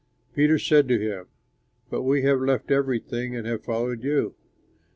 Peter said to him, "But we have left everything and have followed you."